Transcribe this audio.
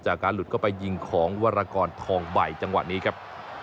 จากการหลุดเข้าไปยิงของวรกรทองใบจังหวะนี้ครับ